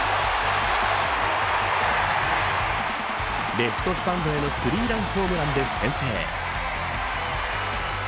レフトスタンドへのスリーランホームランで先制。